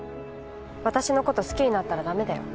私の事好きになったら駄目だよ。